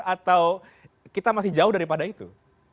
atau kita masih jauh daripada itu